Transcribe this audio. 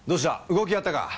動きあったか？